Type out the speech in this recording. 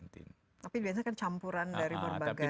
tapi biasanya kan campuran dari berbagai